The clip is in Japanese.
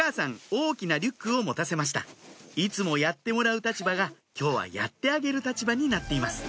大きなリュックを持たせましたいつもやってもらう立場が今日はやってあげる立場になっています